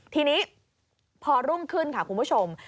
ทีนี้พอรุ่งขึ้นค่ะคุณผู้ชม